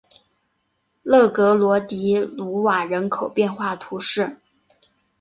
勒格罗迪鲁瓦人口变化图示